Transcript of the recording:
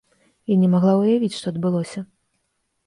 Я не магла ўявіць, што адбылося.